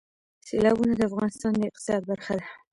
سیلابونه د افغانستان د اقتصاد برخه ده.